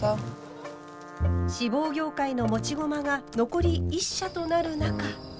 志望業界の持ち駒が残り１社となる中。